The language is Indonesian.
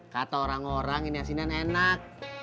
katpe orang orang ini asinan enak